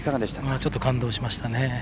ちょっと感動しましたね。